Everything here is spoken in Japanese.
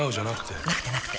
なくてなくて